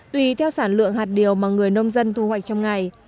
tùy theo sản lượng hạt điều mà người nông dân thu hoạch trong ngày